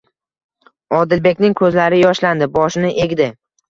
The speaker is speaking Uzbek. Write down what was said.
Odilbekning ko'zlari yoshlandi. Boshini egdi: